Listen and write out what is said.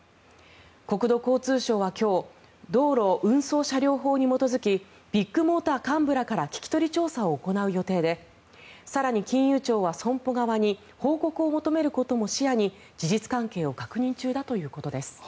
国土交通省は今日道路運送車両法に基づきビッグモーター幹部らから聞き取り調査を行う予定で更に金融庁は損保側に報告を求めることも視野に事実関係を確認中だということです。